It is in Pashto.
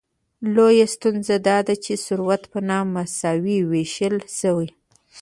لویه ستونزه داده چې ثروت په نامساوي ویشل شوی.